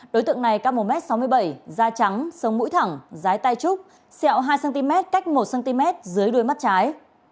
đối tượng này cao một m sáu mươi bảy da trắng sống mũi thẳng rái tai trúc xẹo hai cm cách một cm dưới đuôi mắt trái